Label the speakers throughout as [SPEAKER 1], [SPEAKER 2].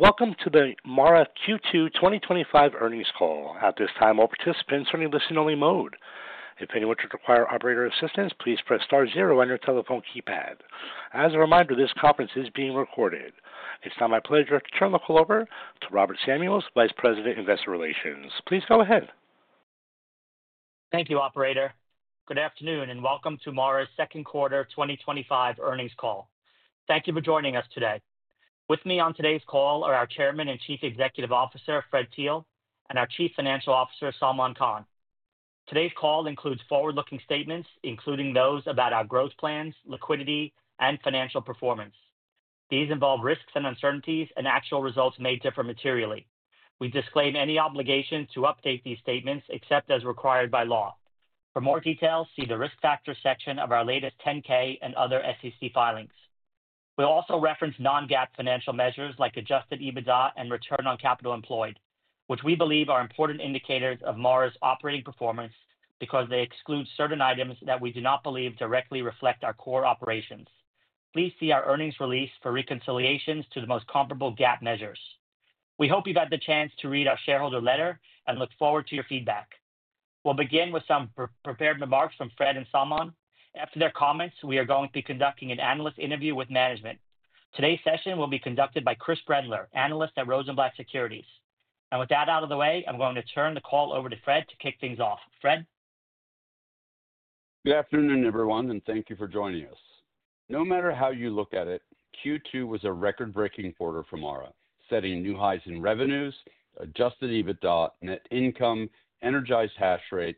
[SPEAKER 1] Welcome to the MARA Q2 2025 Earnings Call. At this time, all participants are in a listen-only mode. If anyone should require operator assistance, please press Star zero on your telephone keypad. As a reminder, this conference is being recorded.It's now my pleasure to turn the call over to Robert Samuels, Vice President, Investor Relations. Please go ahead.
[SPEAKER 2] Thank you, operator. Good afternoon and welcome to MARA's Second Quarter 2025 Earnings Call. Thank you for joining us today. With me on today's call are our Chairman and Chief Executive Officer Fred Thiel and our Chief Financial Officer Salman Khan. Today's call includes forward-looking statements including those about our growth plans, liquidity, and financial performance. These involve risks and uncertainties, and actual results may differ materially. We disclaim any obligation to update these statements except as required by law. For more details, see the Risk Factors section of our latest 10-K and other SEC filings. We also reference non-GAAP financial measures like adjusted EBITDA and Return on Capital Employed, which we believe are important indicators of MARA's operating performance because they exclude certain items that we do not believe directly reflect our core operations. Please see our earnings release for reconciliations to the most comparable GAAP measures. We hope you've had the chance to read our shareholder letter and look forward to your feedback. We'll begin with some prepared remarks from Fred and Salman. After their comments, we are going to be conducting an analyst interview with management. Today's session will be conducted by Chris Brendler, Analyst at Rosenblatt Securities. With that out of the way, I'm going to turn the call over to Fred to kick things off.
[SPEAKER 3] Good afternoon everyone and thank you for joining us. No matter how you look at it, Q2 was a record-breaking quarter for MARA, setting new highs in revenues, adjusted EBITDA, net income, energized hash rate,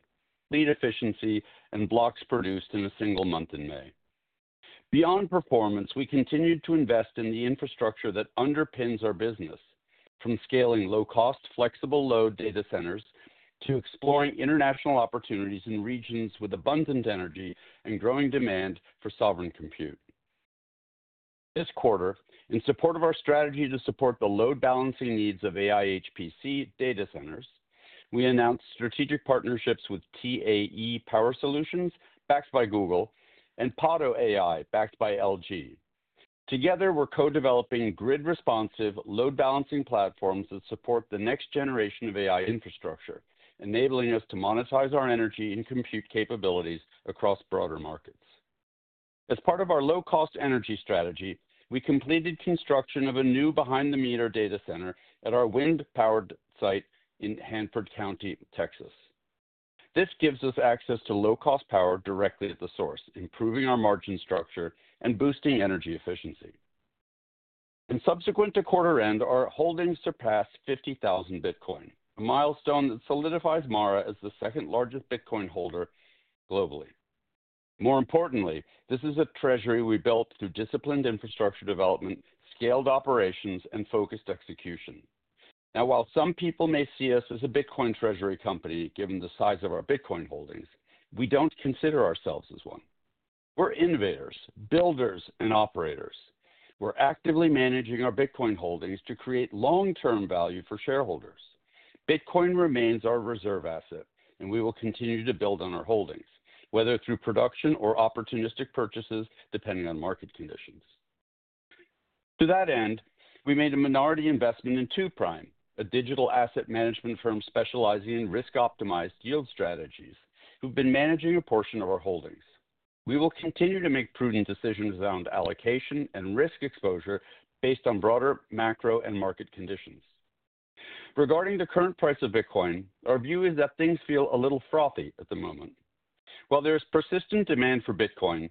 [SPEAKER 3] lead efficiency, and blocks produced in a single month in May. Beyond performance, we continued to invest in the infrastructure that underpins our business, from scaling low-cost, flexible load data centers to exploring international opportunities in regions with abundant energy and growing demand for sovereign compute. This quarter, in support of our strategy to support the load-balancing needs of AI HPC data centers, we announced strategic partnerships with TAE Power Solutions, backed by Google, and Pado AI, backed by LG. Together we're co-developing grid-responsive, load-balancing platforms that support the next generation of AI infrastructure, enabling us to monetize our energy and compute capabilities across broader markets. As part of our low-cost energy strategy, we completed construction of a new behind-the-meter data center at our wind-powered site in Hanford County, Texas. This gives us access to low-cost power directly at the source, improving our margin structure and boosting energy efficiency. Subsequent to quarter end, our holdings surpassed 50,000 Bitcoin, a milestone that solidifies MARA as the second largest Bitcoin holder globally. More importantly, this is a treasury we built through disciplined infrastructure development, scaled operations, and focused execution. Now, while some people may see us as a Bitcoin treasury company, given the size of our Bitcoin holdings, we don't consider ourselves as one. We're innovators, builders, and operators. We're actively managing our Bitcoin holdings to create long-term value for shareholders. Bitcoin remains our reserve asset and we will continue to build on our holdings, whether through production or opportunistic purchases, depending on market conditions. To that end, we made a minority investment in Two Prime, a digital asset management firm specializing in risk-optimized yield strategies who have been managing a portion of our holdings. We will continue to make prudent decisions around allocation and risk exposure based on broader macro and market conditions. Regarding the current price of Bitcoin, our view is that things feel a little frothy at the moment. While there is persistent demand for Bitcoin,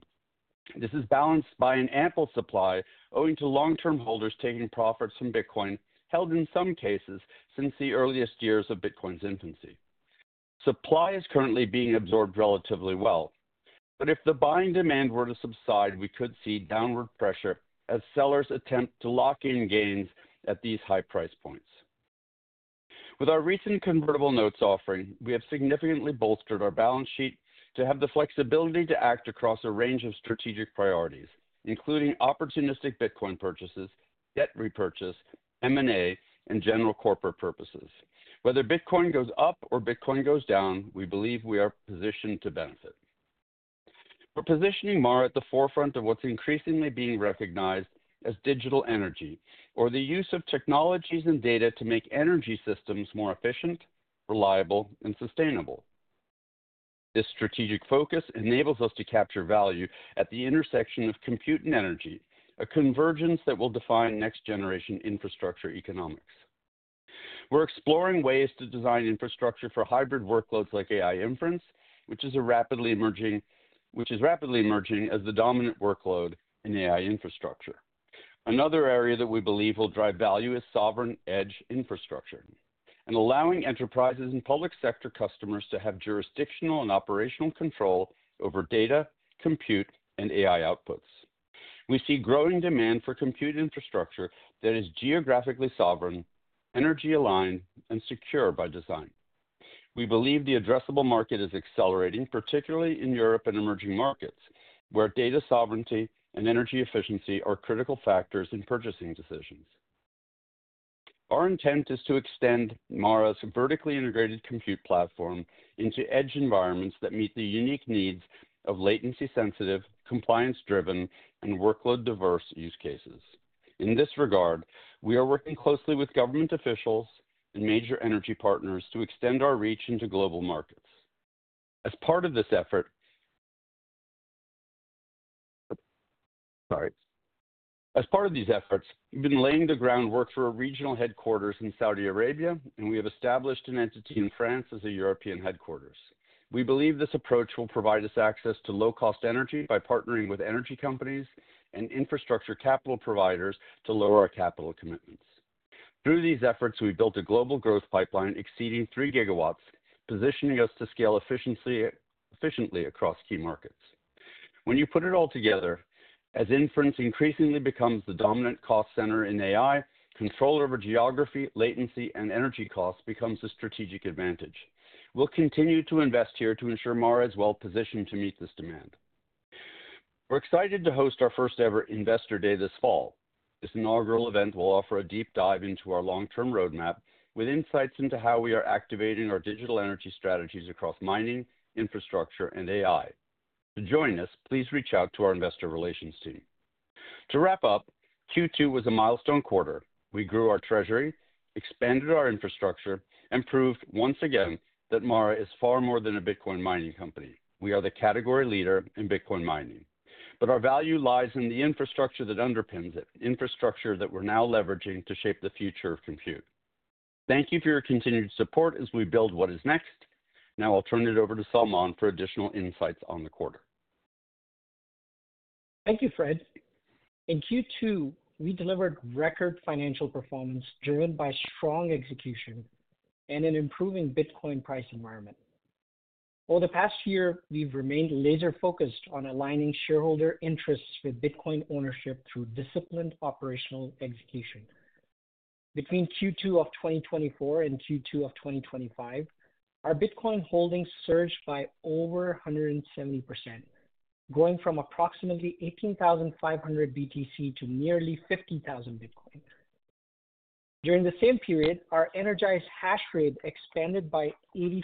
[SPEAKER 3] this is balanced by an ample supply owing to long-term holders taking profits from Bitcoin. Held in some cases since the earliest years of Bitcoin's infancy, supply is currently being absorbed relatively well, but if the buying demand were to subside, we could see downward pressure as sellers attempt to lock in gains at these high price points. With our recent convertible senior notes offering, we have significantly bolstered our balance sheet to have the flexibility to act across a range of strategic priorities including opportunistic Bitcoin purchases, debt repurchase, M&A, and general corporate purposes. Whether Bitcoin goes up or Bitcoin goes down, we believe we are positioned to benefit. We're positioning MARA at the forefront of what's increasingly being recognized as digital energy or the use of technologies and data to make energy systems more efficient, reliable, and sustainable. This strategic focus enables us to capture value at the intersection of compute and energy, a convergence that will define next generation infrastructure economics. We're exploring ways to design infrastructure for hybrid workloads like AI inference compute, which is rapidly emerging as the dominant workload in AI infrastructure. Another area that we believe will drive value is sovereign edge infrastructure and allowing enterprises and public sector customers to have jurisdictional and operational control over data, compute, and AI outputs. We see growing demand for compute infrastructure that is geographically sovereign, energy aligned, and secure by design. We believe the addressable market is accelerating, particularly in Europe and emerging markets where data sovereignty and energy efficiency are critical factors in purchasing decisions. Our intent is to extend MARA's vertically integrated compute platform into edge environments that meet the unique needs of latency-sensitive, compliance-driven, and workload-diverse use cases. In this regard, we are working closely with government officials and major energy partners to extend our reach into global markets as part of this effort. As part of these efforts, we've been laying the groundwork for a regional headquarters in Saudi Arabia, and we have established an entity in France as a European headquarters. We believe this approach will provide us access to low-cost energy by partnering with energy companies and infrastructure capital providers to lower our capital commitments. Through these efforts, we built a global growth pipeline exceeding 3 GW, positioning us to scale efficiently across key markets. When you put it all together, as inference increasingly becomes the dominant cost center in AI, control over geography, latency, and energy costs becomes a strategic advantage. We'll continue to invest here to ensure MARA is well positioned to meet this demand. We're excited to host our first ever Investor Day this fall. This inaugural event will offer a deep dive into our long-term roadmap with insights into how we are activating our digital energy strategies across mining, infrastructure, and AI. To join us, please reach out to our investor relations team. To wrap up, Q2 was a milestone quarter. We grew our treasury, expanded our infrastructure, and proved once again that MARA is far more than a Bitcoin mining company. We are the category leader in Bitcoin mining, but our value lies in the infrastructure that underpins it. Infrastructure that we're now leveraging to shape the future of compute. Thank you for your continued support as we build what is next. Now I'll turn it over to Salman for additional insights on the quarter.
[SPEAKER 4] Thank you Fred. In Q2 we delivered record financial performance driven by strong execution and an improving Bitcoin price environment. Over the past year we've remained laser focused on aligning shareholder interests with Bitcoin ownership through disciplined operational execution. Between Q2 of 2024 and Q2 of 2025, our Bitcoin holdings surged by over 170%, going from approximately 18,500 BTC to nearly 50,000 Bitcoin. During the same period, our energized hash rate expanded by 82%,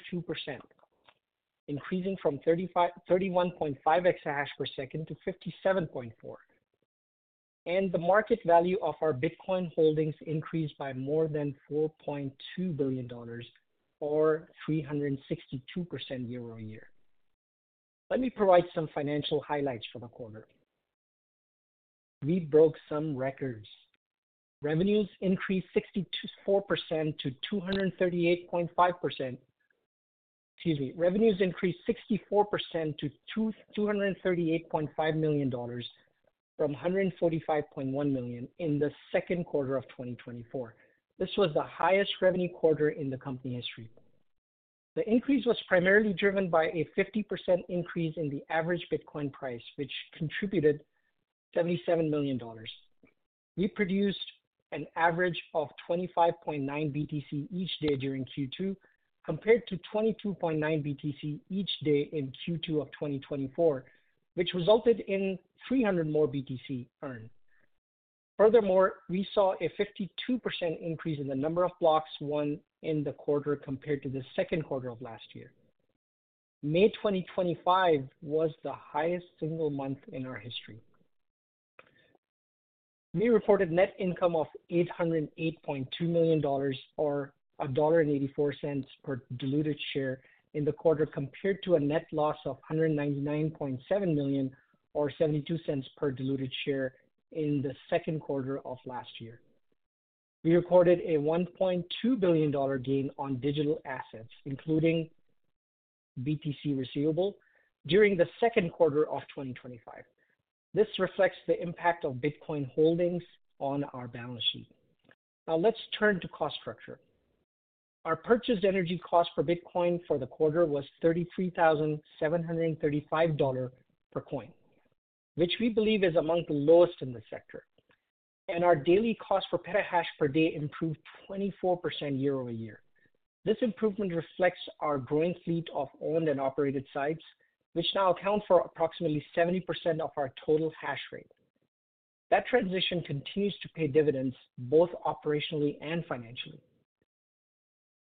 [SPEAKER 4] increasing from 31.5 EH/s to 57.4 EH/s, and the market value of our Bitcoin holdings increased by more than $4.2 billion or 362% year over year. Let me provide some financial highlights for the quarter. We broke some records. Revenues increased 64% to $238.5 million from $145.1 million in the second quarter of 2024. This was the highest revenue quarter in the company history. The increase was primarily driven by a 50% increase in the average Bitcoin price, which contributed $77 million. We produced an average of 25.9 BTC each day during Q2 compared to 22.9 BTC each day in Q2 of 2024, which resulted in 300 more BTC earned. Furthermore, we saw a 52% increase in the number of blocks won in the quarter compared to the second quarter of last year. May 2025 was the highest single month in our history. We reported net income of $808.2 million, or $1.84 per diluted share in the quarter compared to a net loss of $199.7 million or $0.72 per diluted share in the second quarter of last year. We recorded a $1.2 billion gain on digital assets including BTC receivable during the second quarter of 2025. This reflects the impact of Bitcoin holdings on our balance sheet. Now let's turn to cost structure. Our purchased energy cost for Bitcoin for the quarter was $33,735 per coin, which we believe is among the lowest in the sector, and our daily cost for petahash per day improved 24% year over year. This improvement reflects our growing fleet of owned and operated sites which now account for approximately 70% of our total hash rate. That transition continues to pay dividends both operationally and financially.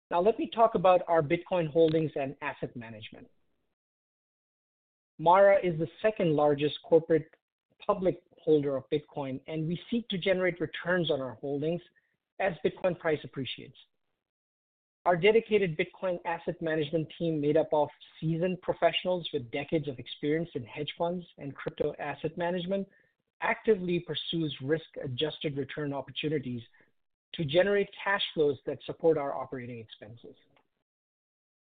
[SPEAKER 4] Now let me talk about our Bitcoin holdings and asset management. MARA is the second largest corporate public holder of Bitcoin and we seek to generate returns on our holdings as Bitcoin price appreciates. Our dedicated Bitcoin asset management team, made up of seasoned professionals with decades of experience in hedge funds and crypto asset management, actively pursues risk-adjusted return opportunities to generate cash flows that support our operating expenses.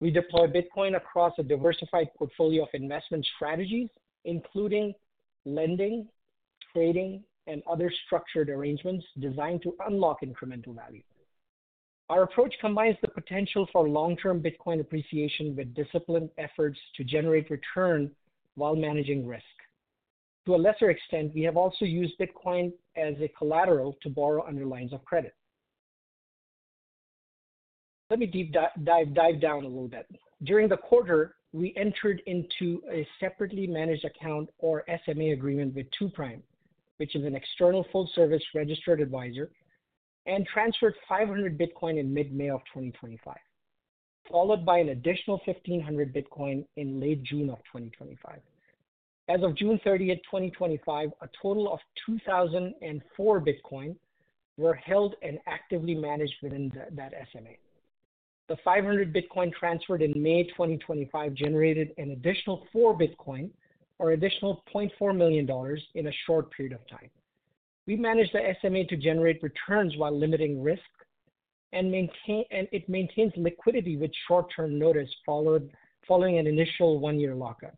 [SPEAKER 4] We deploy Bitcoin across a diversified portfolio of investment strategies including lending, trading, and other structured arrangements designed to unlock incremental value. Our approach combines the potential for long-term Bitcoin appreciation with disciplined efforts to generate return while managing risk to a lesser extent. We have also used Bitcoin as collateral to borrow under lines of credit. Let me dive down a little bit. During the quarter, we entered into a separately managed account, or SMA, agreement with Two Prime, which is an external full-service registered advisor, and transferred 500 Bitcoin in mid-May of 2025, followed by an additional 1,500 Bitcoin in late June of 2025. As of June 30, 2025, a total of 2,004 Bitcoin were held and actively managed within that SMA. The 500 Bitcoin transferred in May 2025 generated an additional 4 Bitcoin, or additional $0.4 million, in a short period of time. We managed the SMA to generate returns while limiting risk, and it maintains liquidity with short-term notice following an initial one-year lockup.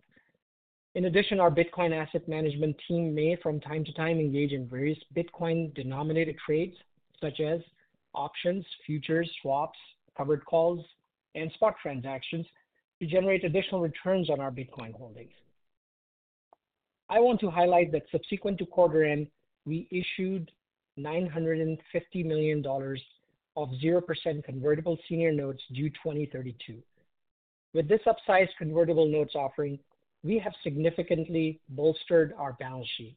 [SPEAKER 4] In addition, our Bitcoin asset management team may from time to time engage in various Bitcoin-denominated trades such as options, futures, swaps, covered calls, and spot transactions to generate additional returns on our Bitcoin holdings. I want to highlight that subsequent to quarter end, we issued $950 million of 0% convertible senior notes due 2032. With this upsized convertible notes offering, we have significantly bolstered our balance sheet.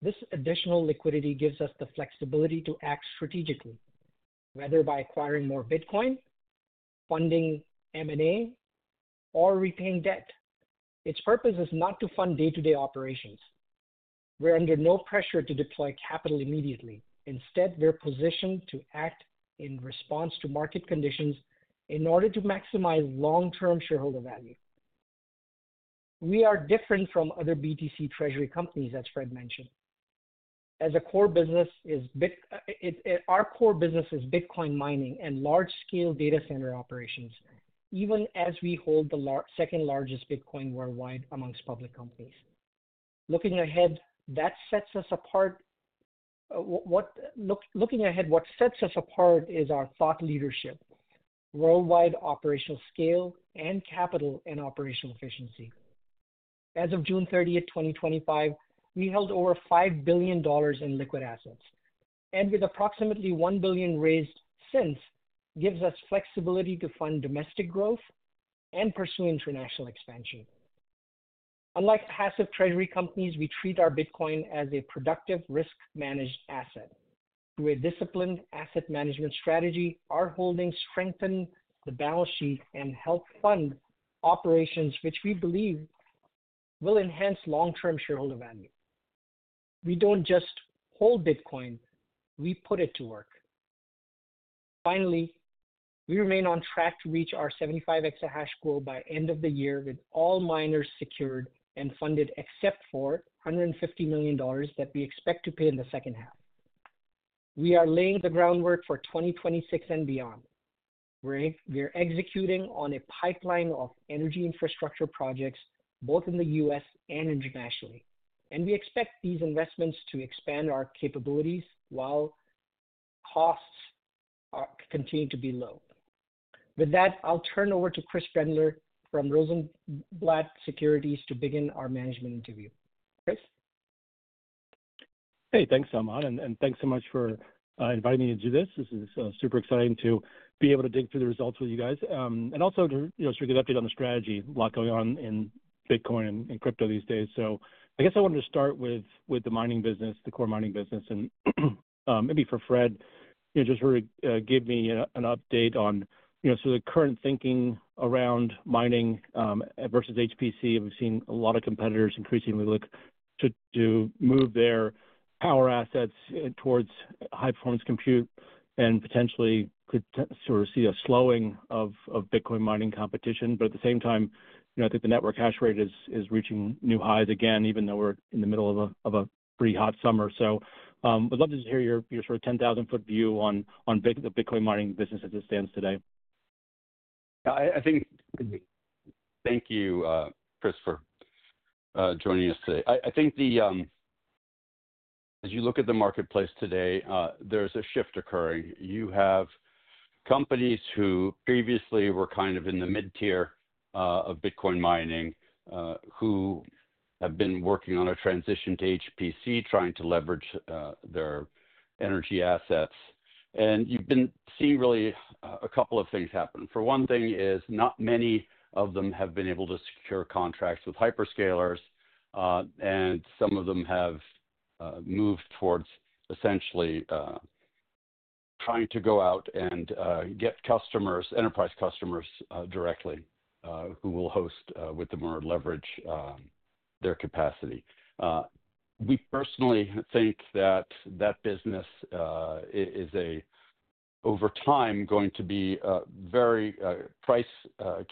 [SPEAKER 4] This additional liquidity gives us the flexibility to act strategically, whether by acquiring more Bitcoin, funding M&A, or repaying debt. Its purpose is not to fund day-to-day operations. We're under no pressure to deploy capital immediately. Instead, we're positioned to act in response to market conditions in order to maximize long-term shareholder value. We are different from other BTC treasury companies, as Fred mentioned, as a core business. Our core business is Bitcoin mining and large-scale data center operations, even as we hold the second largest Bitcoin worldwide amongst public companies. Looking ahead, that sets us apart. Looking ahead, what sets us apart is our thought leadership, worldwide operational scale, and capital and operational efficiency. As of June 30th, 2025, we held over $5 billion in liquid assets, and with approximately $1 billion raised since, gives us flexibility to fund domestic growth and pursue international expansion. Unlike passive treasury companies, we treat our Bitcoin as a productive, risk-managed asset through a disciplined asset management strategy. Our holdings strengthen the balance sheet and help fund operations, which we believe will enhance long-term shareholder value. We don't just hold Bitcoin, we put it to work. Finally, we remain on track to reach our 75 EH goal by end of the year. With all miners secured and funded except for $150 million that we expect to pay in the second half, we are laying the groundwork for 2026 and beyond. We're executing on a pipeline of energy infrastructure projects both in the U.S. and internationally, and we expect these investments to expand our capabilities while costs continue to be low. With that, I'll turn over to Chris Brendler from Rosenblatt Securities to begin our management interview. Chris.
[SPEAKER 5] Hey, thanks and thanks so much for inviting me to do this. This is super exciting to be able to dig through the results with you guys and also get updated on the strategy. A lot going on in Bitcoin and crypto these days. I guess I wanted to start with the mining business, the core mining business, and maybe for Fred, just give me an update on your, you know, the current thinking around mining versus HPC. We've seen a lot of competitors increasingly look to move their power assets towards high-performance computing and potentially could sort of see a slowing of Bitcoin mining competition. At the same time, I think the network hash rate is reaching new all-time highs again, even though we're in the middle of a pretty hot summer. I'd love to hear your sort of 10,000 ft view on the Bitcoin mining business as it stands today.
[SPEAKER 3] Thank you, Chris, for joining us today. I think as you look at the marketplace today, there's a shift occurring. You have companies who previously were kind of in the mid tier of Bitcoin mining who have been working on a transition to HPC, trying to leverage their energy assets. You've been seeing really a couple of things happen. For one thing, not many of them have been able to secure contracts with hyperscalers, and some of them have moved towards essentially trying to go out and get customers, enterprise customers directly, who will host with them or leverage their capacity. We personally think that that business is, over time, going to be very price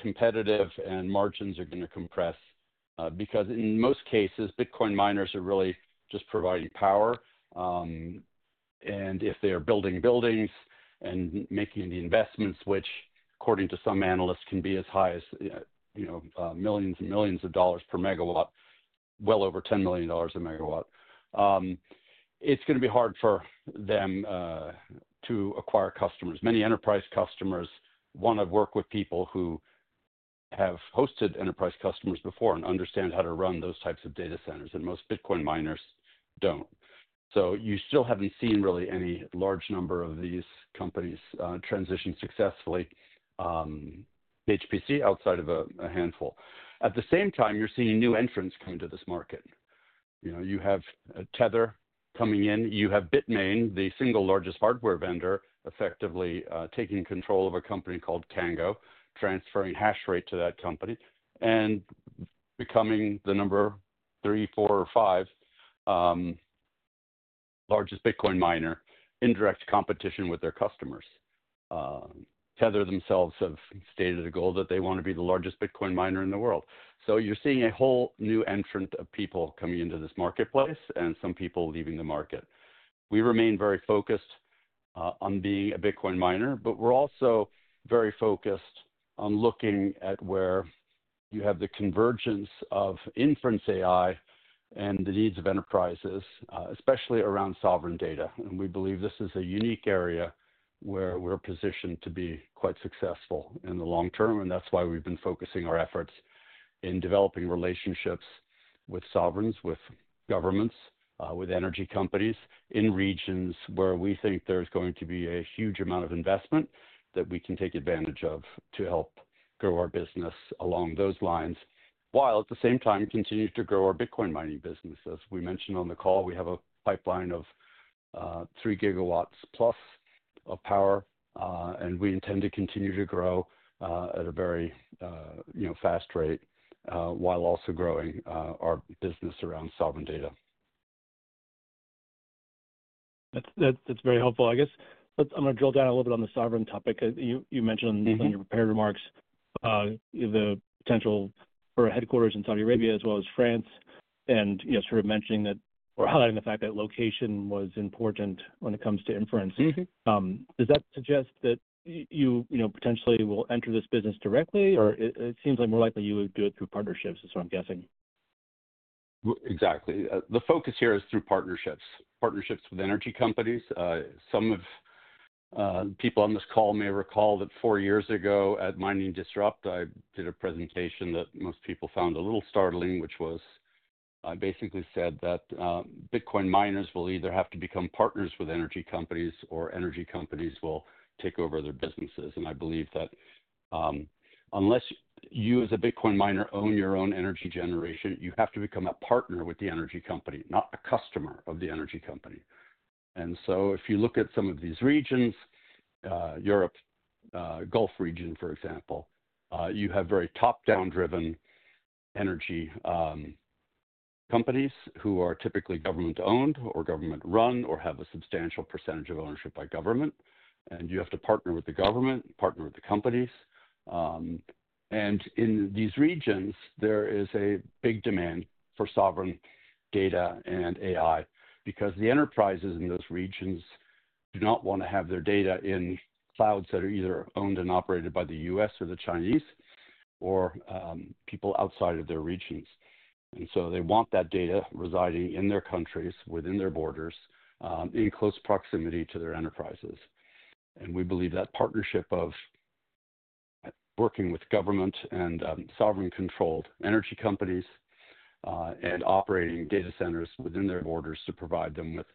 [SPEAKER 3] competitive, and margins are going to compress because in most cases, Bitcoin miners are really just providing power. If they are building buildings and making the investments, which according to some analysts can be as high as millions and millions of dollars per megawatt, well over $10 million a megawatt, it's going to be hard for them to acquire customers. Many enterprise customers want to work with people who have hosted enterprise customers before and understand how to run those types of data centers, and most Bitcoin miners don't. You still haven't seen really any large number of these companies transition successfully to HPC outside of a handful. At the same time, you're seeing new entrants come into this market. You have Tether coming in, you have BITMAIN, the single largest hardware vendor, effectively taking control of a company called Tango, transferring hash rate to that company and becoming the number three, four, or five largest Bitcoin miner, in direct competition with their customers. Tether themselves have stated a goal that they want to be the largest Bitcoin miner in the world. You're seeing a whole new entrant of people coming into this marketplace and some people leaving the market. We remain very focused on being a Bitcoin miner, but we're also very focused on looking at where you have the convergence of inference, AI, and the needs of enterprises, especially around sovereign data. We believe this is a unique area where we're positioned to be quite successful in the long term. That's why we've been focusing our efforts in developing relationships with sovereigns, with governments, with energy companies in regions where we think there's going to be a huge amount of investment that we can take advantage of to help grow our business along those lines, while at the same time continuing to grow our Bitcoin mining business. As we mentioned on the call, we have a pipeline of 3+ GW of power, and we intend to continue to grow at a very fast rate while also growing our business around sovereign data.
[SPEAKER 5] That's very helpful. I guess I'm going to drill down a little bit on the sovereign topic. You mentioned in your prepared remarks the potential for headquarters in Saudi Arabia as well as France, and you know, sort of mentioning that or highlighting the fact that location was important. When it comes to inference, does that suggest that you, you know, potentially will enter this business directly, or it seems like more likely you would do it through partnerships is what I'm guessing.
[SPEAKER 3] Exactly. The focus here is through partnerships, partnerships with energy companies. Some of the people on this call may recall that four years ago at Mining Disrupt, I did a presentation that most people found a little startling, which was I basically said that Bitcoin miners will either have to become partners with energy companies or energy companies will take over their businesses. I believe that unless you as a Bitcoin miner own your own energy generation, you have to become a partner with the energy company, not a customer of the energy company. If you look at some of these regions, Europe, Gulf region, for example, you have very top-down driven energy companies who are typically government owned or government run or have a substantial percentage of ownership by government, and you have to partner with the government, partner with the companies. In these regions there is a big demand for sovereign data and AI because the enterprises in those regions do not want to have their data in clouds that are either owned and operated by the U.S. or the Chinese or people outside of their regions. They want that data residing in their countries, within their borders, in close proximity to their enterprises. We believe that partnership of working with government and sovereign controlled energy companies and operating data centers within their borders to provide them with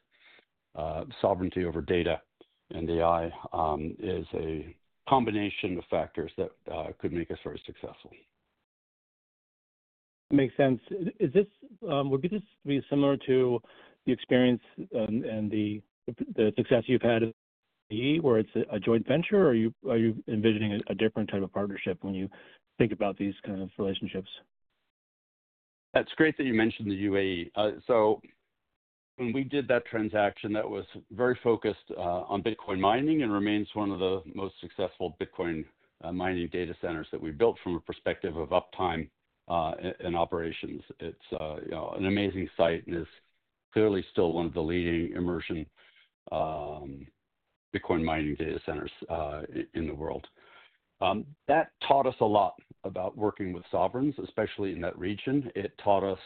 [SPEAKER 3] sovereignty over data and AI is a combination of factors that could make us very successful.
[SPEAKER 5] Makes sense. Would this be similar to the experience and the success you've had where it's a joint venture, or are you envisioning a different type of partnership when you think about these kind of relationships?
[SPEAKER 3] That's great that you mentioned the UAE. When we did that transaction, that was very focused on Bitcoin mining and remains one of the most successful Bitcoin mining data centers that we built. From a perspective of uptime and operations, it's an amazing site and is clearly still one of the leading immersion Bitcoin mining data centers in the world. That taught us a lot about working with sovereigns, especially in that region. It taught us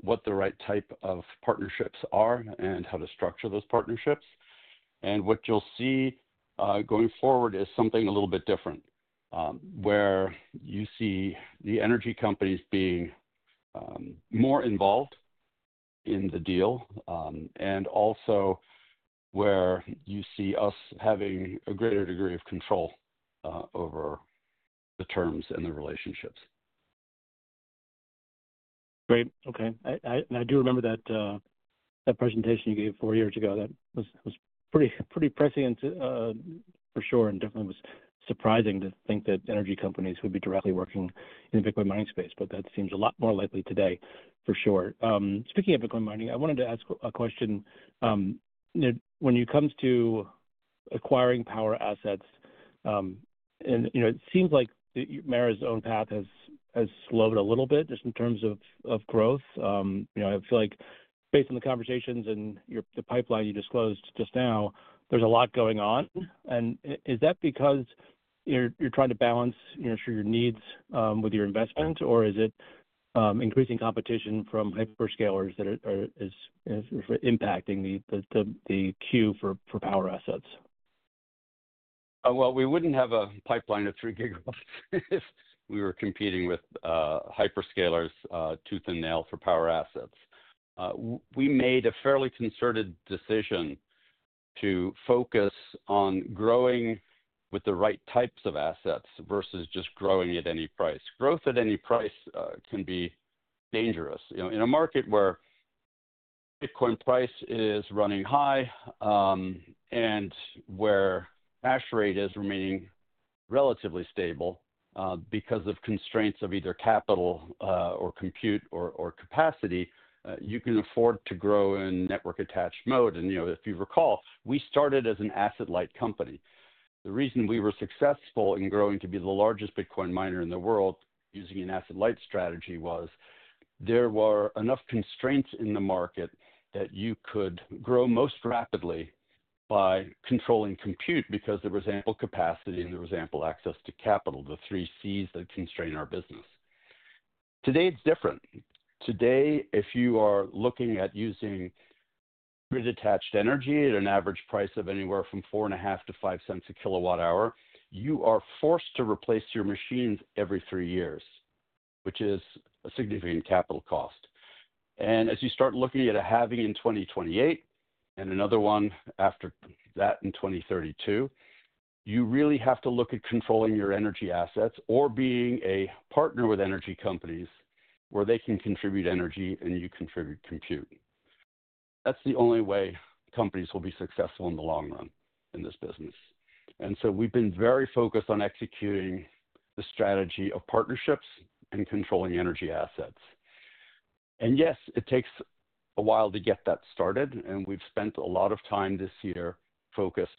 [SPEAKER 3] what the right type of partnerships are and how to structure those partnerships. What you'll see going forward is something a little bit different where you see the energy companies being more involved in the deal and also where you see us having a greater degree of control over the terms and the relationships.
[SPEAKER 5] Great. Okay. I do remember that presentation you gave four years ago. That was pretty pricey for sure, and definitely was surprising to think that energy companies would be directly working in the Bitcoin mining space. That seems a lot more likely today, for sure. Speaking of Bitcoin mining, I wanted to ask a question. When it comes to acquiring power assets, it seems like MARA's own path has slowed a little bit just in terms of growth. I feel like based on the conversations and the pipeline you disclosed just now, there's a lot going on. Is that because you're trying to balance your needs with your investment, or is it increasing competition from hyperscalers that is impacting the queue for power assets?
[SPEAKER 3] We wouldn't have a pipeline of 3 GW if we were competing with hyperscalers tooth and nail for power assets. We made a fairly concerted decision to focus on growing with the right types of assets versus just growing at any price. Growth at any price can be dangerous in a market where Bitcoin price is running high and where hash rate is remaining relatively stable because of constraints of either capital or compute or capacity. You can afford to grow in network attached mode. If you recall, we started as an asset-light company. The reason we were successful in growing to be the largest Bitcoin miner in the world using an asset-light strategy was there were enough constraints in the market that you could grow most rapidly by controlling compute because there was ample capacity and there was ample access to capital. The three Cs that constrain our business today. It's different today. If you are looking at using detached energy at an average price of anywhere from $0.045 to $0.05 a kilowatt hour, you are forced to replace your machines every three years, which is a significant capital cost. As you start looking at a halving in 2028 and another one after that in 2032, you really have to look at controlling your energy assets or being a partner with energy companies where they can contribute energy and you contribute compute. That's the only way companies will be successful in the long run in this business. We've been very focused on executing the strategy of partnerships and controlling energy assets. Yes, it takes a while to get that started. We've spent a lot of time this year focused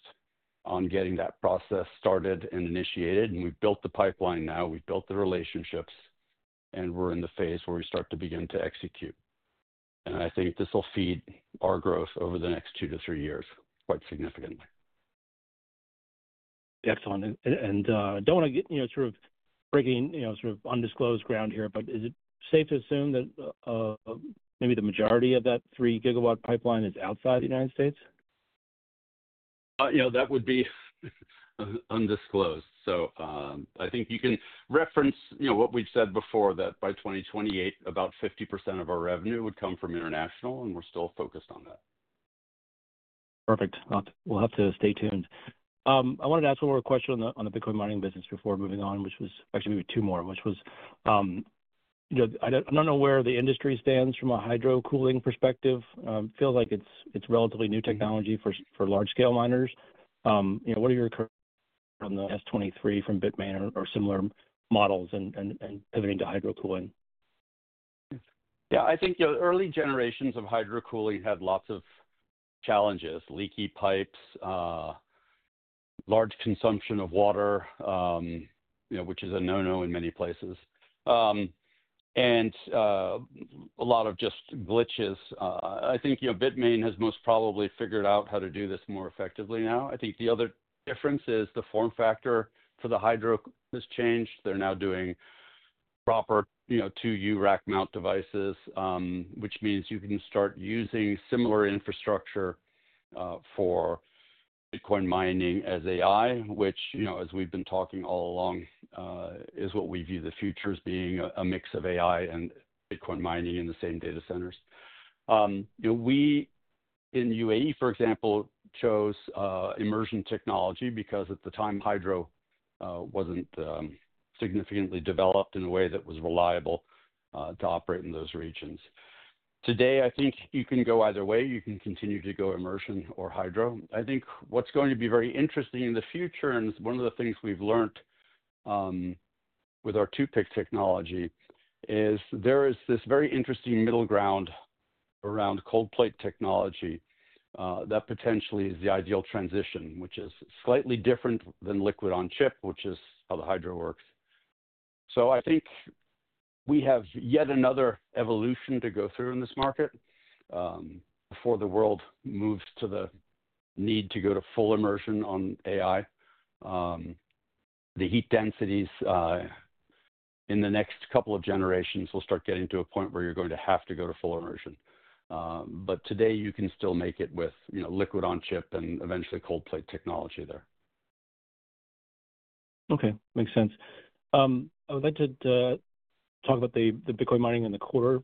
[SPEAKER 3] on getting that process started and initiated. We've built the pipeline now, we've built the relationships, and we're in the phase where we start to begin to execute. I think this will feed our growth over the next two to three years quite significantly.
[SPEAKER 5] Excellent. I don't want to get, you know, sort of breaking, you know, sort of undisclosed ground here, but is it safe to assume that maybe the majority of that 3 GW pipeline is outside the U.S.?
[SPEAKER 3] That would be undisclosed. I think you can reference what we've said before, that by 2028 about 50% of our revenue would come from international and we're still focused on that.
[SPEAKER 5] Perfect. We'll have to stay tuned. I wanted to ask one more question on the Bitcoin mining business before moving on, which was actually two more, which was, I don't know where the industry stands from a hydro cooling perspective. Feels like it's relatively new technology for large scale miners. What are your S23 from BITMAIN or similar models and pivoting to hydro cooling?
[SPEAKER 3] Yeah, I think early generations of hydro cooling had lots of challenges. Leaky pipes, large consumption of water, which is a no-no in many places, and a lot of just glitches. I think BITMAIN has most probably figured out how to do this more effectively now. I think the other difference is the form factor for the hydro has changed, they're now doing proper, you know, 2U rack mount devices, which means you can start using similar infrastructure for Bitcoin mining as AI. Which, you know, as we've been talking all along, is what we view the future as being a mix of AI and Bitcoin mining in the same data centers. You know, we in UAE, for example, chose immersion technology because at the time hydro wasn't significantly developed in a way that was reliable to operate in those regions. Today, I think you can go either way. You can continue to go immersion or hydro. I think what's going to be very interesting in the future and one of the things we've learned with our 2-pick technology is there is this very interesting middle ground around cold plate technology that potentially is the ideal transition, which is slightly different than liquid on chip, which is how the hydro works. I think we have yet another evolution to go through in this market before the world moves to the need to go to full immersion on AI. The heat densities in the next couple of generations will start getting to a point where you're going to have to go to full immersion. Today you can still make it with, you know, liquid on chip and eventually cold plate technology there.
[SPEAKER 5] Okay, makes sense. I would like to talk about the Bitcoin mining in the quarter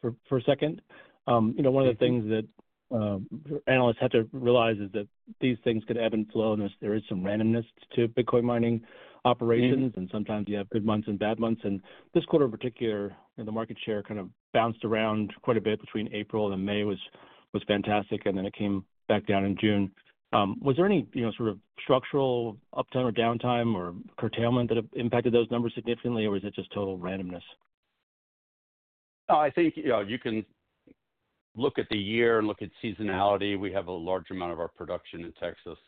[SPEAKER 5] for a second. You know, one of the things that analysts have to realize is that these things could ebb and flow, and there is some randomness to Bitcoin mining operations. Sometimes you have good months and bad months. This quarter in particular, the market share kind of bounced around quite a bit. Between April and May was fantastic, and then it came back down in June. Was there any sort of structural uptime or downtime or curtailment that impacted those numbers significantly, or is it just total randomness?
[SPEAKER 3] I think you can look at the year and look at seasonality. We have a large amount of our production in Texas.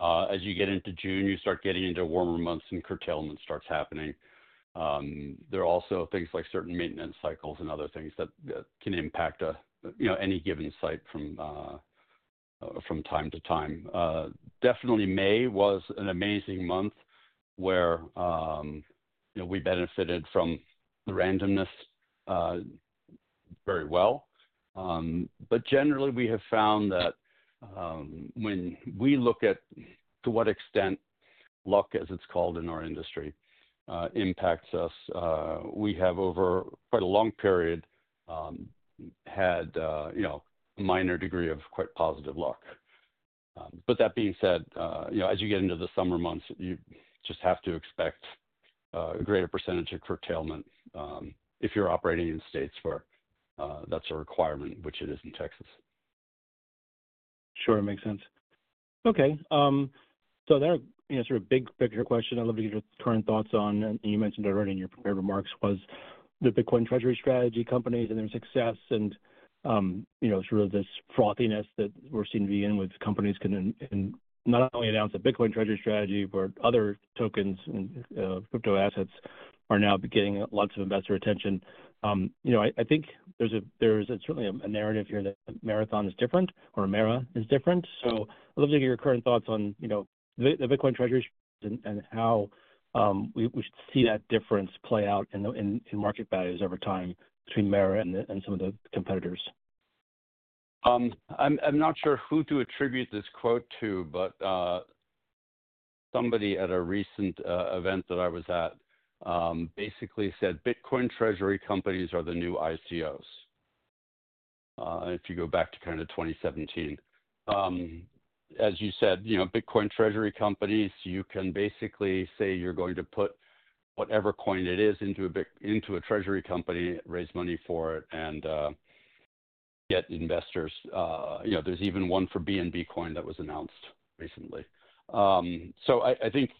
[SPEAKER 3] As you get into June, you start getting into warmer months and curtailment starts happening. There are also things like certain maintenance cycles and other things that can impact any given site from time to time. May was an amazing month where we benefited from the randomness very well. Generally, we have found that when we look at to what extent luck, as it's called in our industry, impacts us, we have over quite a long period had a minor degree of quite positive luck. That being said, as you get into the summer months, you just have to expect a greater percentage of curtailment if you're operating in states where that's a requirement, which it is in Texas.
[SPEAKER 5] Sure, it makes sense. Okay, there's a big picture question I'd love to get your current thoughts on. You mentioned already in your prepared remarks the Bitcoin treasury strategy companies and their success and sort of this frothiness that we're seeing, with companies not only able to announce a Bitcoin treasury strategy, but other tokens and crypto assets are now getting lots of investor attention. I think there's certainly a narrative here that Marathon is different or MARA is different. I'd love to hear your current thoughts on the Bitcoin treasury and how we should see that difference play out in market values over time between MARA and some of the competitors.
[SPEAKER 3] I'm not sure who to attribute this quote to, but somebody at a recent event that I was at basically said Bitcoin treasury companies are the new ICOs. If you go back to kind of 2017, as you said, you know, Bitcoin treasury companies, you can basically say you're going to put whatever coin it is into a treasury company, raise money for it, and get investors. You know, there's even one for BNB coin that was announced recently. I think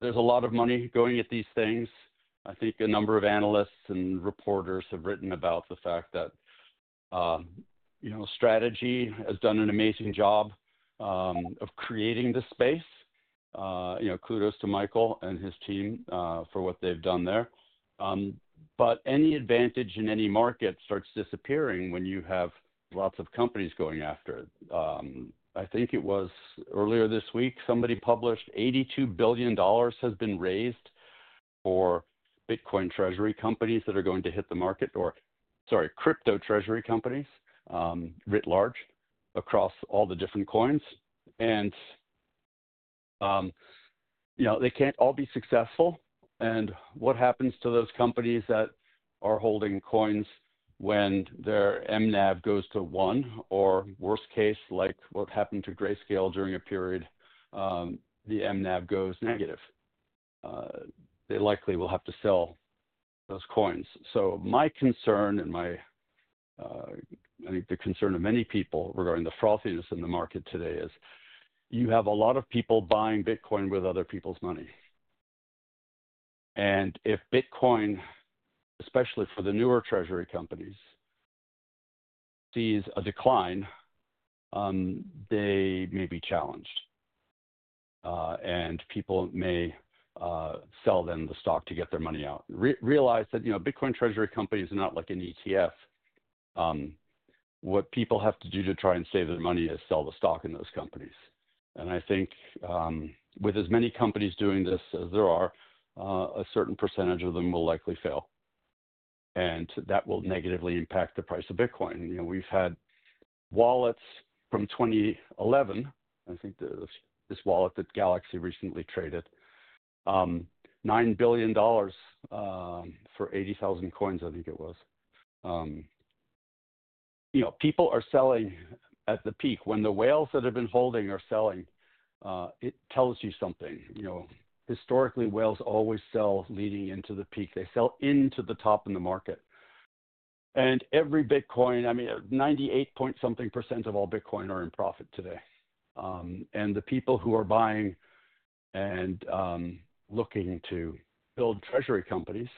[SPEAKER 3] there's a lot of money going at these things. I think a number of analysts and reporters have written about the fact that strategy has done an amazing job of creating this space. Kudos to Michael and his team for what they've done there. Any advantage in any market starts disappearing when you have lots of companies going after it. I think it was earlier this week somebody published $82 billion has been raised for Bitcoin treasury companies that are going to hit the market or, sorry, crypto treasury companies writ large across all the different coins, and they can't all be successful. What happens to those companies that are holding coins when their mNAV goes to one, or worst case, like what happened to Grayscale during a period the mNAV goes negative, they likely will have to sell those coins. My concern and, I think, the concern of many people regarding the frothiness in the market today is you have a lot of people buying Bitcoin with other people's money. If Bitcoin, especially for the newer treasury companies, sees a decline, they may be challenged and people may sell them the stock to get their money out. Realize that Bitcoin treasury companies are not like an ETF. What people have to do to try and save their money is sell the stock in those companies. I think with as many companies doing this as there are, a certain percentage of them will likely fail and that will negatively impact the price of Bitcoin. We've had wallets from 2011. I think this wallet that Galaxy recently traded $9 billion for 80,000 coins. I think it was. You know, people. Are selling at the peak when the whales that have been holding are selling. It tells you something. Historically, whales always sell leading into the peak. They sell into the top in the market. Every Bitcoin, I mean 98 point something percent of all Bitcoin are in profit today. The people who are buying and looking to build treasury companies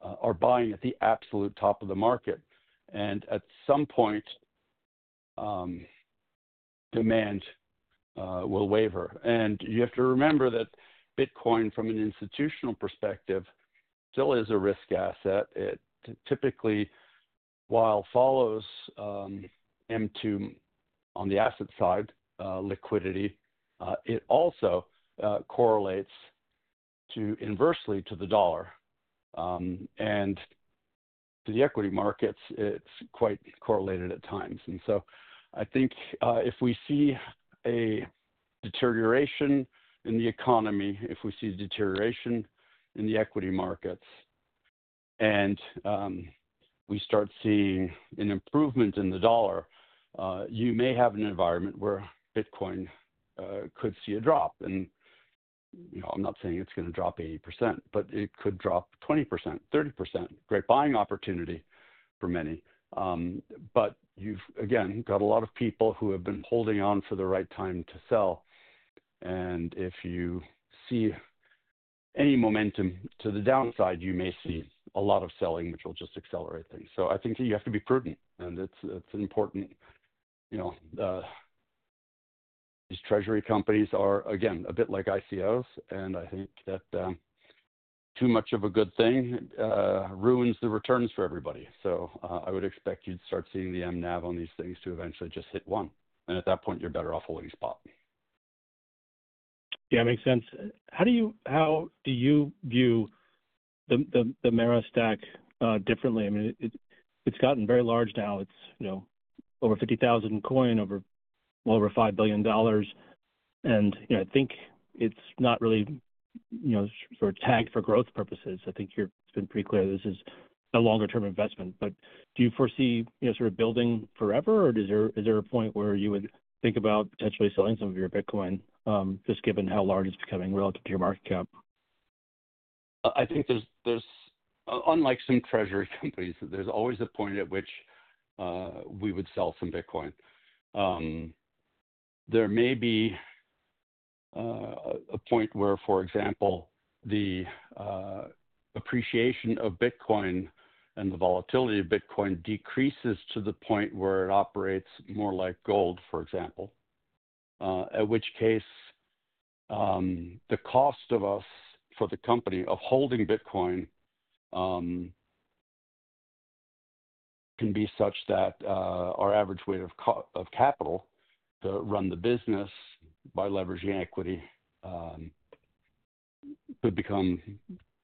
[SPEAKER 3] are buying at the absolute top of the market. At some point, demand will waver. You have to remember that Bitcoin from an institutional perspective still is a risk asset. It typically follows M2 on the asset side liquidity, it also correlates inversely to the dollar and to the equity markets. It's quite correlated at times. I think if we see a deterioration in the economy, if we see deterioration in the equity markets and we start seeing an improvement in the dollar, you may have an environment where Bitcoin could see a drop. I'm not saying it's going to drop 80% but it could drop 20%, 30%. Great buying opportunity for many. You've again got a lot of people who have been holding on for the right time to sell. If you see any momentum to the downside, you may see a lot of selling which will just accelerate things. I think you have to be prudent and it's important. These treasury companies are again a bit like ICOs and I think that too much of a good thing ruins the returns for everybody. I would expect you'd start seeing the mNAV on these things to eventually just hit one. At that point you're better off holding spot.
[SPEAKER 5] Yeah, makes sense. How do you view the MARA stack differently? I mean it's gotten very large now, it's over 50,000 coin, well over $5 billion. I think it's not really tagged for growth purposes. I think it's been pretty clear this is a longer term investment. Do you foresee sort of building forever, or is there a point where you would think about potentially selling some of your Bitcoin just given how large it's becoming relative to your market cap?
[SPEAKER 3] I think there's, unlike some treasury companies, there's always a point at which we would sell some Bitcoin. There may be a point where, for example, the appreciation of Bitcoin and the volatility of Bitcoin decreases to the point where it operates more like gold, for example. At which case the cost of us for the company of holding Bitcoin can be such that our average weight of capital to run the business by leveraging equity could become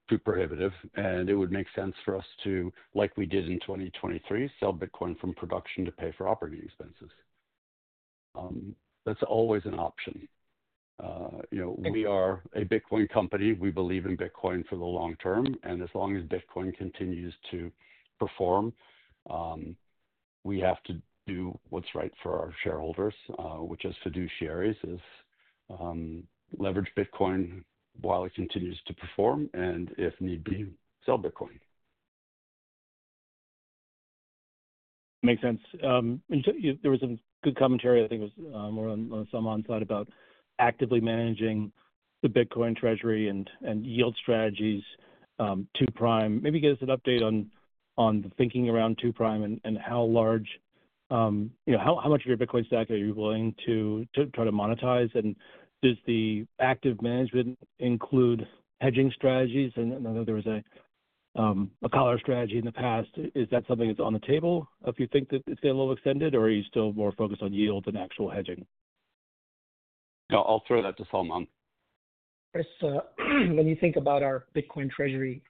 [SPEAKER 3] too prohibitive. It would make sense for us to, like we did in 2023, sell Bitcoin from production to pay for operating expenses. That's always an option. We are a Bitcoin company. We believe in Bitcoin for the long term. As long as Bitcoin continues to perform, we have to do what's right for our shareholders, which as fiduciaries is leverage Bitcoin while it continues to perform and if need be, sell Bitcoin.
[SPEAKER 5] Makes sense. There was a good commentary. I think it was more on Salman's side about actively managing the Bitcoin treasury and yield strategies, Two Prime. Maybe give us an update on the thinking around Two Prime and how large, how much of your Bitcoin stack are you willing to try to monetize? Does the active management include active hedging strategies? I know there was a collar strategy in the past. Is that something that's on the table if you think that it's getting a little extended, or are you still more focused on yield than actual hedging?
[SPEAKER 3] I'll throw that to Salman.
[SPEAKER 4] Chris, when you think about our Bitcoin treasury,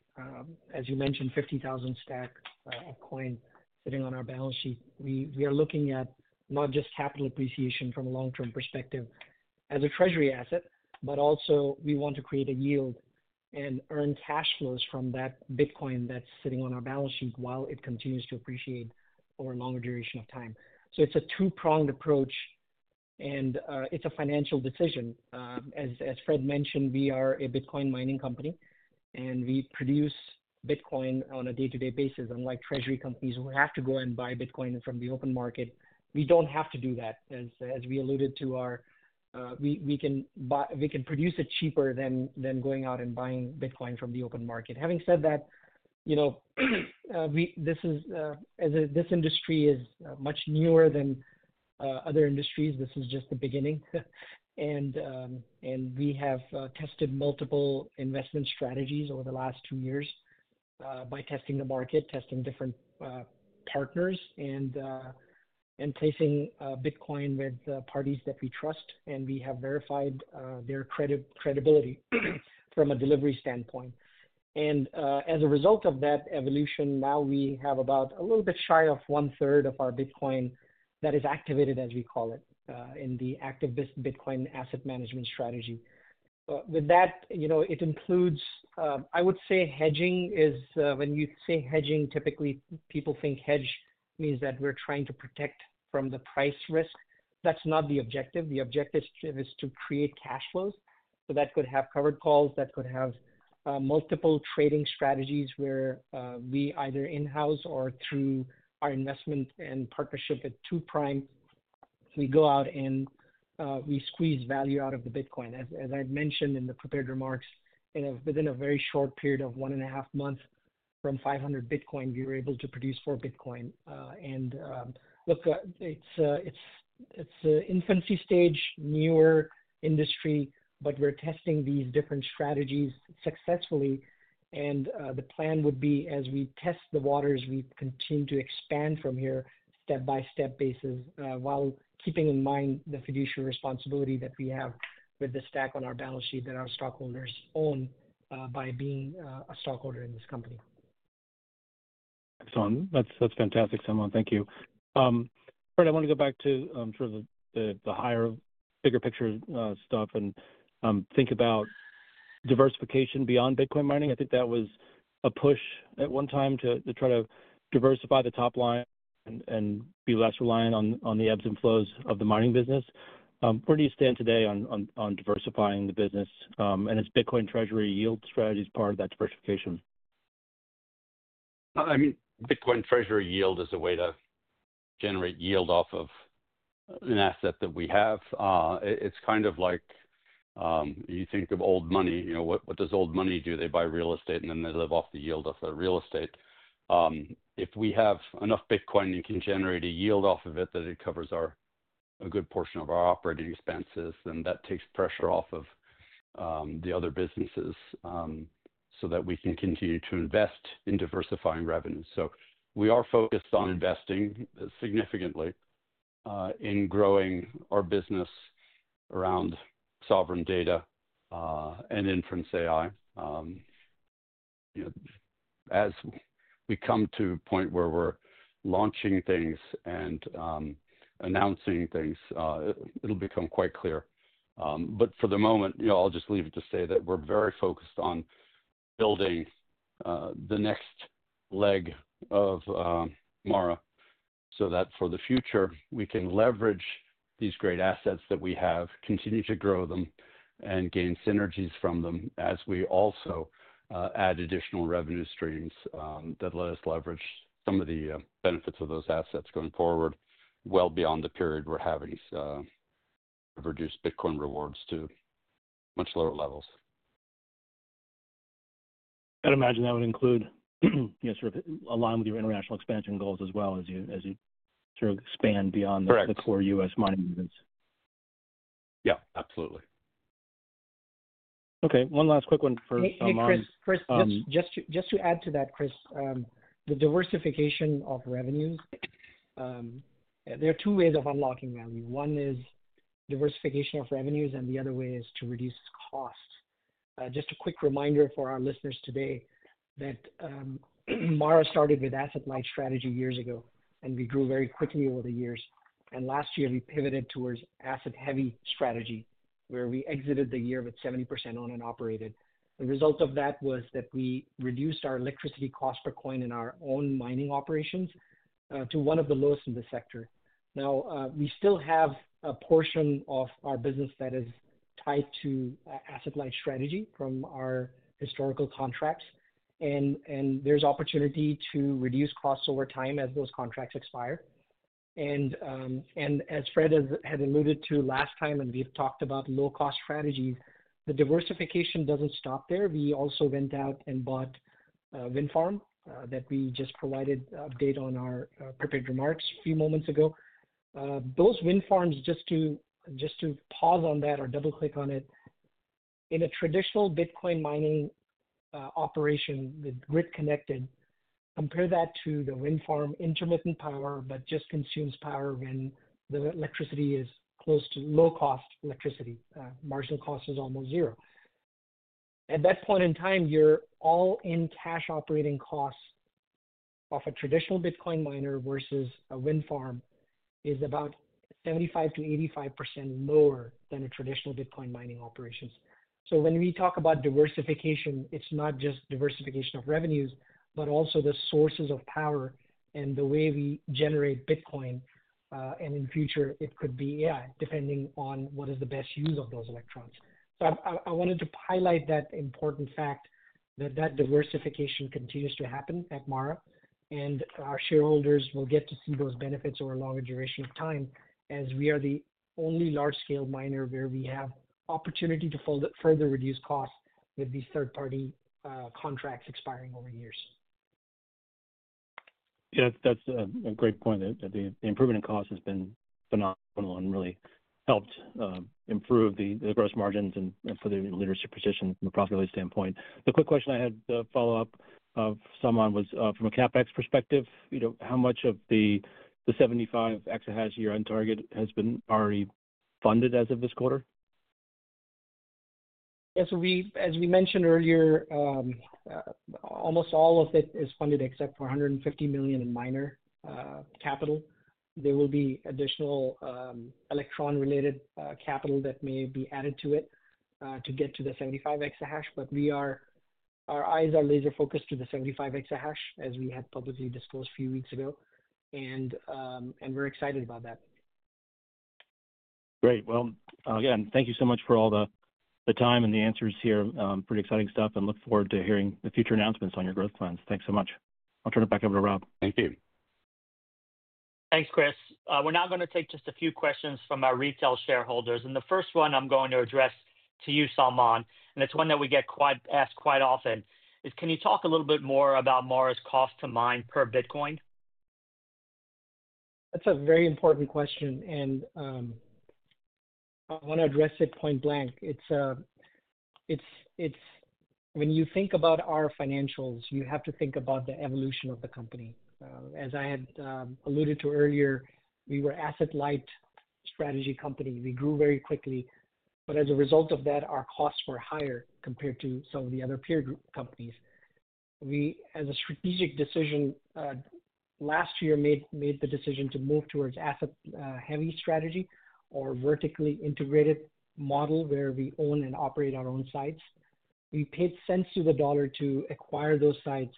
[SPEAKER 4] as you mentioned, 50,000 stack of coin sitting on our balance sheet, we are looking at not just capital appreciation from a long term perspective as a treasury asset, but also we want to create a yield and earn cash flows from that Bitcoin that's sitting on our balance sheet while it continues to appreciate over a longer duration of time. It's a two pronged approach and it's a financial decision. As Fred mentioned, we are a Bitcoin mining company and we produce Bitcoin on a day to day basis. Unlike treasury companies who have to go and buy Bitcoin from the open market, we don't have to do that. As we alluded to, we can produce it cheaper than going out and buying Bitcoin from the open market. Having said that, this industry is much newer than other industries. This is just the beginning. We have tested multiple investment strategies over the last two years by testing the market, testing different partners and placing Bitcoin with parties that we trust and we have verified their credibility from a delivery standpoint. As a result of that evolution, now we have about a little bit shy of one third of our Bitcoin that is activated as we call it in the activist Bitcoin asset management strategy. With that, it includes, I would say, hedging. When you say hedging, typically people think hedge means that we're trying to protect from the price risk. That's not the objective. The objective is to create cash flows. That could have covered calls, that could have multiple trading strategies where we either in house or through our investment and partnership at Two Prime, we go out and we squeeze value out of the Bitcoin. As I mentioned in the prepared remarks, within a very short period of 1.5 months from 500 Bitcoin we were able to produce 4 Bitcoin. It's infancy stage, newer industry. We're testing these different strategies successfully and the plan would be as we test the waters, we continue to expand from here step by step basis while keeping in mind the fiduciary responsibility that we have with the stack on our balance sheet that our stockholders own by being a stockholder in this company.
[SPEAKER 5] Excellent. That's fantastic. Thank you. I want to go back to sort of the higher, bigger picture stuff and think about diversification beyond Bitcoin mining. I think that was a push at one time to try to diversify the top line and be less reliant on the ebbs and flows of the mining business. Where do you stand today on diversifying the business and its Bitcoin treasury yield strategy? Is part of that diversification?
[SPEAKER 3] I mean, Bitcoin treasury yield is a way to generate yield off of an asset that we have. It's kind of like you think of old money. You know, what does old money do? They buy real estate and then they live off the yield of the real estate. If we have enough Bitcoin, you can generate a yield off of it, that it covers a good portion of our operating expenses. That takes pressure off of the other businesses so that we can continue to invest in diversifying revenues. We are focused on investing significantly in growing our business around sovereign data and inference. AI as we come to a point where we're launching things and announcing things, it'll become quite clear. For the moment I'll just leave it to say that we're very focused on building the next leg of MARA so that for the future we can leverage these great assets that we have, continue to grow them and gain synergies from them as we also add additional revenue streams that let us leverage some of the benefits of those assets going forward well beyond the period we're having reduced Bitcoin rewards to much lower levels.
[SPEAKER 5] I'd imagine that would include aligning with your international expansion goals as well as you sort of expand beyond the core U.S. mining movements.
[SPEAKER 3] Yeah, absolutely.
[SPEAKER 4] Just to add to that Chris, the diversification of revenues. There are two ways of unlocking value. One is diversification of revenues and the other way is to reduce cost. Just a quick reminder for our listeners today that MARA started with asset light strategy years ago and we grew very quickly over the years. Last year we pivoted towards asset heavy strategy where we exited the year with 70% owned and operated. The result of that was that we reduced our electricity cost per coin in our own mining operations to one of the lowest in the sector. We still have a portion of our business that is tied to asset light strategy from our historical contracts and there's opportunity to reduce costs over time as those contracts expire. As Fred had alluded to last time and we've talked about low cost strategies, the diversification doesn't stop there. We also went out and bought wind farm that we just provided update on our prepared remarks a few moments ago. Those wind farms, just to pause on that or double click on it. In a traditional Bitcoin mining operation with grid connected, compare that to the wind farm intermittent power but just consumes power when the electricity is close to low cost. Electricity marginal cost is almost zero at that point in time. Your all-in cash operating costs of a traditional Bitcoin miner versus a wind farm is about 75%-85% lower than a traditional Bitcoin mining operations. When we talk about diversification it's not just diversification of revenues but also the sources of power and the way we generate Bitcoin. In future it could be AI depending on what is the best use of those electrons. I wanted to highlight that important fact that diversification continues to happen at MARA and our shareholders will get to see those benefits over a longer duration of time as we are the only large scale miner where we have opportunity to further reduce costs with these third party contracts expiring over years.
[SPEAKER 5] Yeah, that's a great point. The improvement in cost has been phenomenal and really helped improve the gross margins and for the leadership position from a profitability standpoint. The quick question I had follow up some on was from a CapEx perspective, you know how much of the 75 EH year end target has been already funded as of this quarter.
[SPEAKER 4] Yes, as we mentioned earlier, almost all of it is funded except for $150 million in mining minor capital. There will be additional electron-related capital that may be added to it to get to the 75 EH. We are laser focused to the 75 EH as we had publicly disclosed a few weeks ago, and we're excited about that.
[SPEAKER 5] Great. Thank you so much for all the time and the answers here. Pretty exciting stuff and look forward to hearing the future announcements on your growth plans. Thanks so much. I'll turn it back over to Rob.
[SPEAKER 3] Thank you.
[SPEAKER 2] Thanks Chris. We're now going to take just a few questions from our retail shareholders, and the first one I'm going to address to you, Salman, and it's one that we get asked quite often. Can you talk a little bit more about MARA's cost to mine per Bitcoin?
[SPEAKER 4] That's a very important question and I want to address it point blank. When you think about our financials, you have to think about the evolution of the company. As I had alluded to earlier, we were asset light strategy company. We grew very quickly, but as a result of that, our costs were higher compared to some of the other peer group companies. We, as a strategic decision last year, made the decision to move towards asset heavy strategy or vertically integrated model where we own and operate our own sites. We paid cents to the dollar to acquire those sites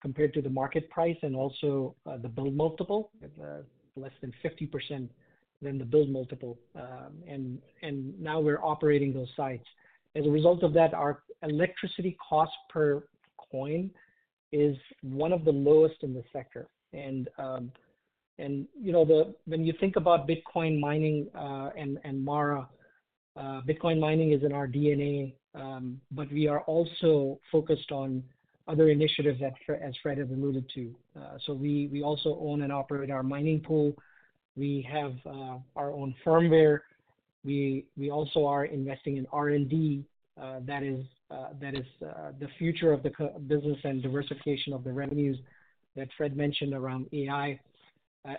[SPEAKER 4] compared to the market price and also the build multiple, less than 50% than the build multiple. Now we're operating those sites as a result of that. Our electricity cost per coin is one of the lowest in the sector, and when you think about Bitcoin mining and MARA, Bitcoin mining is in our DNA. We are also focused on other initiatives that, as Fred has alluded to. We also own and operate our mining pool. We have our own firmware. We also are investing in R&D. That is the future of the business and diversification of the revenues that Fred mentioned around AI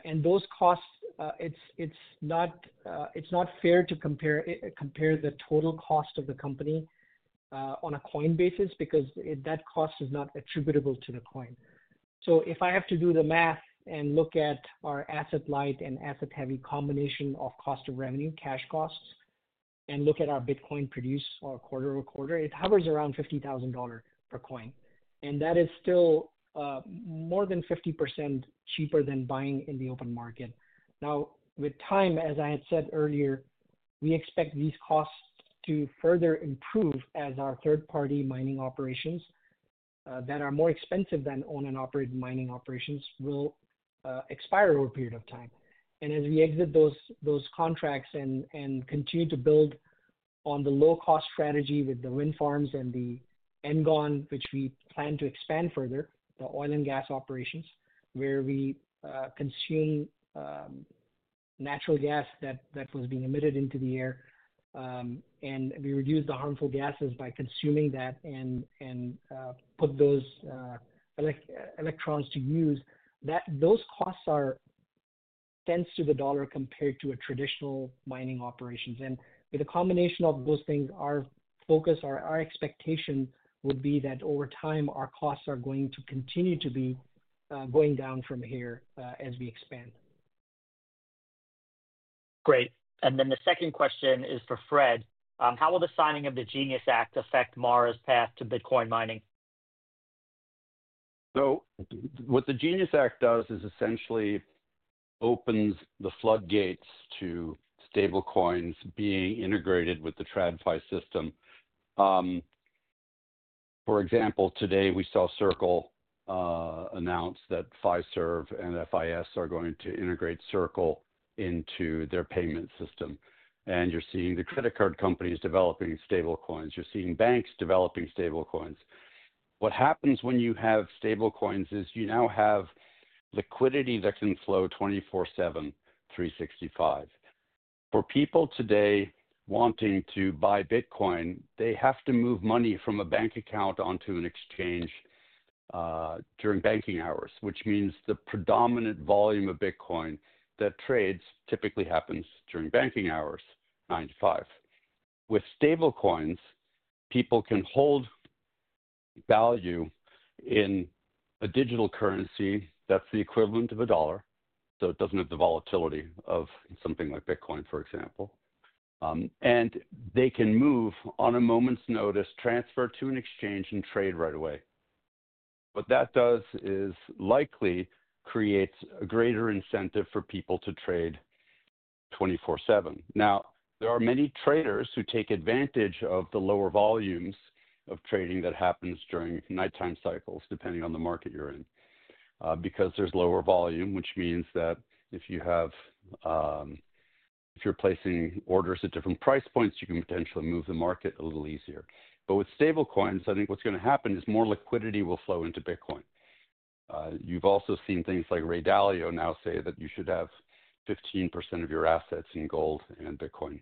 [SPEAKER 4] and those costs. It's not fair to compare the total cost of the company on a coin basis because that cost is not attributable to the coin. If I have to do the math and look at our asset light and asset heavy combination of cost of revenue, cash costs, and look at our Bitcoin produced quarter over quarter, it hovers around $50,000 per coin and that is still more than 50% cheaper than buying in the open market. With time, as I had said earlier, we expect these costs to further improve as our third party mining operations that are more expensive than own and operate mining operations will expire over a period of time. As we exit those contracts and continue to build on the low cost strategy with the wind farms and the NGON, which we plan to expand further, the oil and gas operations where we consume natural gas that was being emitted into the air and we reduce the harmful gases by consuming that and put those electrons to use, those costs are cents to the dollar compared to traditional mining operations. With a combination of those things, our focus or our expectation would be that over time our costs are going to continue to be going down from here as we expand.
[SPEAKER 2] Great. The second question is for Fred. How will the signing of the Genius Act affect MARA's path to Bitcoin mining?
[SPEAKER 3] What the Genius Act does is essentially open the floodgates to stablecoins being integrated with the TradFi system. For example, today we saw Circle announce that Fiserv and FIS are going to integrate Circle into their payment system. You're seeing the credit card companies developing stablecoins. You're seeing banks developing stablecoins. When you have stablecoins, you now have liquidity that can flow 24/7/365. For people today wanting to buy Bitcoin, they have to move money from a bank account onto an exchange during banking hours, which means the predominant volume of Bitcoin that trades typically happens during banking hours, 9:00 A.M. to 5:00 P.M. With stablecoins, people can hold value in a digital currency that's the equivalent of a dollar, so it doesn't have the volatility of something like Bitcoin, for example. They can move on a moment's notice, transfer to an exchange, and trade right away. What that does is likely create a greater incentive for people to trade 24/7. There are many traders who take advantage of the lower volumes of trading that happen during nighttime cycles depending on the market you're in because there's lower volume, which means that if you're placing orders at different price points, you can potentially move the market a little easier. With stablecoins, I think what's going to happen is more liquidity will flow into Bitcoin. You've also seen things like Ray Dalio now say that you should have 15% of your assets in gold and Bitcoin.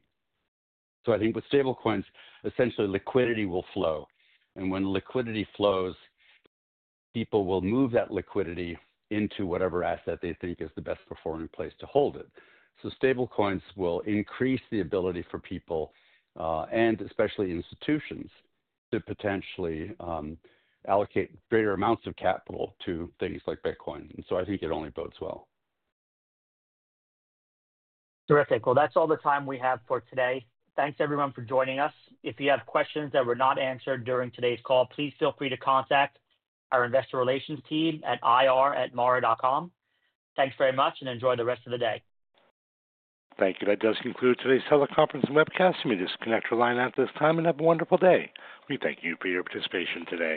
[SPEAKER 3] I think with stablecoins, essentially liquidity will flow, and when liquidity flows, people will move that liquidity into whatever asset they think is the best performing place to hold it. Stablecoins will increase the ability for people, and especially institutions, to potentially allocate greater amounts of capital to things like Bitcoin. I think it only bodes well.
[SPEAKER 2] Terrific. Thank you, everyone, for joining us. If you have questions that were not answered during today's call, please feel free to contact our investor relations team at ir@mara.com. Thanks very much and enjoy the rest of the day.
[SPEAKER 1] Thank you. That does conclude today's teleconference and webcast. You may disconnect your line at this time. Time and have a wonderful day. We thank you for your participation today.